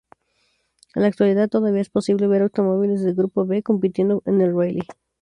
En la actualidad todavía es posible ver automóviles del grupo B compitiendo en rally.